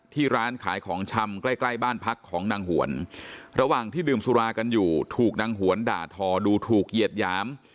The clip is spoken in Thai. ร้านขายของชำใกล้ใกล้บ้านพักของนางหวนระหว่างที่ดื่มสุรากันอยู่ถูกนางหวนด่าทอดูถูกเหยียดหยาม